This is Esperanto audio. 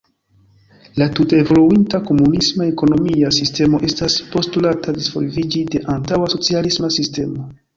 La tute evoluinta komunisma ekonomia sistemo estas postulata disvolviĝi de antaŭa socialisma sistemo.